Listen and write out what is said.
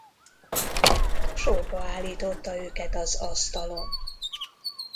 Sorba állította őket az asztalon.